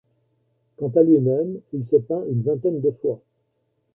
Quant à lui-même il s'est peint une vingtaine de fois.